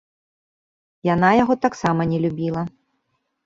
Яна яго таксама не любіла.